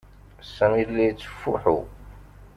Sami yella yettfuḥu.